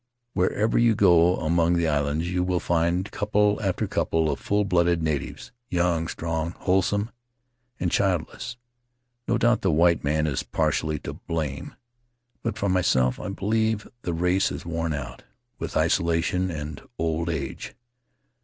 Wherever you go among the islands you will find couple after couple of full blooded natives — young, strong, wholesome, and childless. No doubt the white man is partially to blame, but, for myself, I believe the race is worn out with isolation and old age.